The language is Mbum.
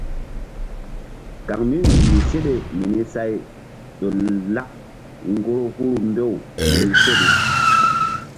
Kaŋ mí nzukri seɗe mini say ƴo lak ŋgoro huru mbew mini seɗe.